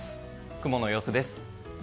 雲の様子です。